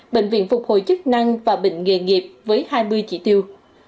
bệnh viện phục hồi chức năng và bệnh nghề nghiệp với hai mươi chỉ tiêu